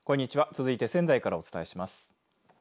続いて仙台からお伝えします。